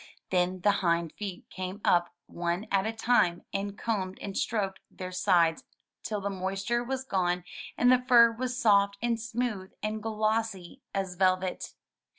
Then the hind feet came up one at a time and combed and stroked their sides till the moisture was gone and the fur was soft and smooth and glossy as velvet.